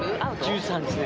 １３ですね。